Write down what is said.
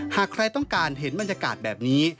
หากใครต้องการเห็นบรรยากาศแบบนี้